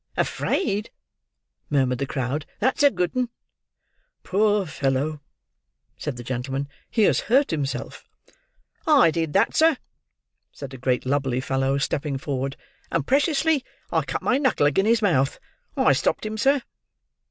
"Afraid!" murmured the crowd. "That's a good 'un!" "Poor fellow!" said the gentleman, "he has hurt himself." "I did that, sir," said a great lubberly fellow, stepping forward; "and preciously I cut my knuckle agin' his mouth. I stopped him, sir."